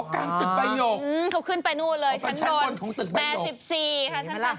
อ๋อกลางตึกใบหยกเขาขึ้นไปนู่นเลยชั้นดนแม่๑๔ค่ะชั้นดน๑๔ขอแต่งงาน